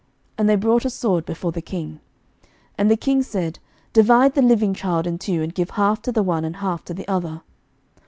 And they brought a sword before the king. 11:003:025 And the king said, Divide the living child in two, and give half to the one, and half to the other.